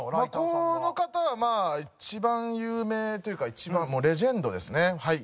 この方はまあ一番有名というか一番レジェンドですねはい。